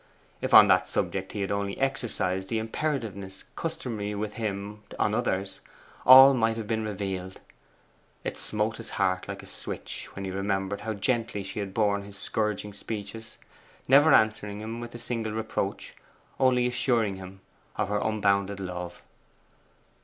If on that subject he had only exercised the imperativeness customary with him on others, all might have been revealed. It smote his heart like a switch when he remembered how gently she had borne his scourging speeches, never answering him with a single reproach, only assuring him of her unbounded love.